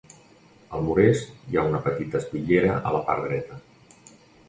Al mur est, hi ha una petita espitllera a la part dreta.